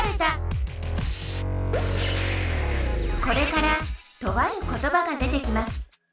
これからとあることばが出てきます。